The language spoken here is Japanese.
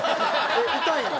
えっ痛いの？